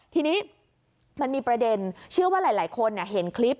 ทีนี้มันมีประเด็นเชื่อว่าหลายคนเห็นคลิป